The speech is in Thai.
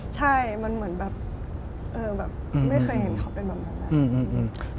ใช่มันเหมือนแบบเออแบบไม่เคยเห็นเขาเป็นแบบนั้น